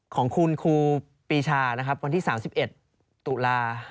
ของคุณครูปีชานะครับวันที่๓๑ตุลา